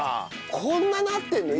こんななってるの？